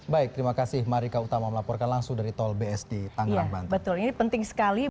baik terima kasih marika utama melaporkan langsung dari tol bsd tangerang banten sekali